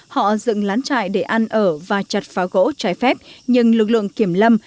họ dựng lán trại để ăn ở và chặt phá gỗ trái phép nhưng lực lượng kiểm lâm